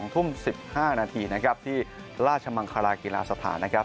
๒ทุ่ม๑๕นาทีที่ราชมังคารากีฬาสถานนะครับ